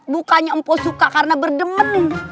bukannya empo suka karena berdemen